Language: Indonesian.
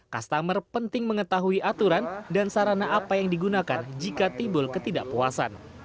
customer penting mengetahui aturan dan sarana apa yang digunakan jika timbul ketidakpuasan